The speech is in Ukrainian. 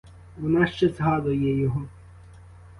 Вона ще згадує його.